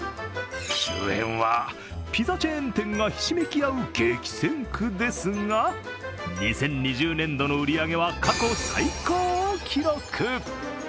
周辺はピザチェーン店がひしめき合う激戦区ですが、２０２０年度の売り上げは過去最高を記録。